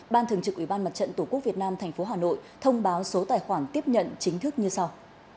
ban thường trực ủy ban mặt trận tổ quốc việt nam tp hà nội thông báo số tài khoản tiếp nhận chính thức như sau